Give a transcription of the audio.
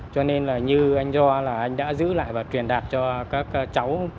cho nên như anh ro là anh đã giữ lại và truyền đạt cho các cháu